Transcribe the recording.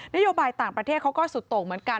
โยบายต่างประเทศเขาก็สุดโต่งเหมือนกัน